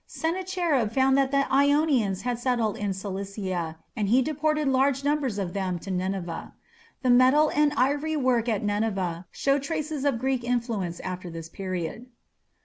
Sennacherib found that Ionians had settled in Cilicia, and he deported large numbers of them to Nineveh. The metal and ivory work at Nineveh show traces of Greek influence after this period.